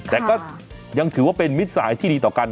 แต่ก็ยังถือว่าเป็นมิตรสายที่ดีต่อกัน